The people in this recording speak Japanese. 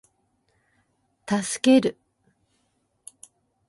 助ける